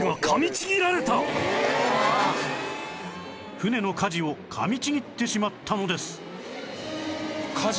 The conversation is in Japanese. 船の舵を噛みちぎってしまったのです